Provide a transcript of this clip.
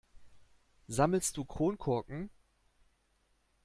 Sammelst du Kronkorken?